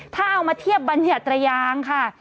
ถ้าเอามาเทียบบัญญัติระยางค่ะ